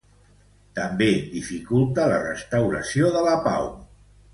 També dificulta la restauració de la pau.